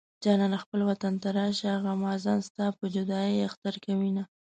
جانانه خپل وطن ته راشه غمازان ستا په جدايۍ اختر کوينه